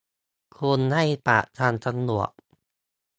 คุณให้ปากคำตำรวจ